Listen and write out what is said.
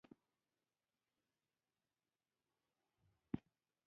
د هغه ډاکټر او انجینر ظلم کم نه دی.